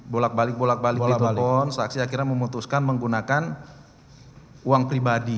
bolak balik bolak balik di telepon saksi akhirnya memutuskan menggunakan uang pribadi